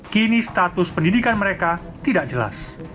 kini status pendidikan mereka tidak jelas